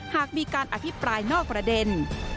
หากมีการอภิปรายนอกประเด็น